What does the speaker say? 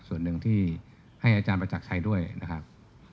ส่วนหนึ่งที่ให้อาจารย์ประจักรชัยด้วยนะครับ